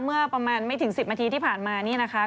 เมื่อประมาณไม่ถึง๑๐นาทีที่ผ่านมานี่นะคะ